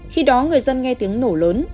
khi đó người dân nghe tiếng nổ lớn